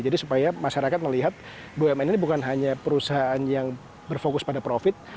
jadi supaya masyarakat melihat bumn ini bukan hanya perusahaan yang berfokus pada profit